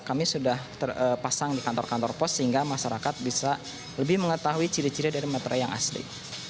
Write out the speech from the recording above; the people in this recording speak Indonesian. kami sudah terpasang di kantor kantor pos sehingga masyarakat bisa lebih mengetahui ciri ciri dari materai yang asli